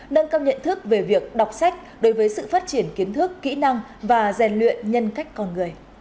nâng cao nhận thức về việc đọc sách đối với sự phát triển kiến thức kỹ năng và rèn luyện nhân cách con người